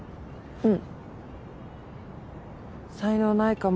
うん。